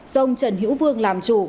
do ông trần hữu vương làm chủ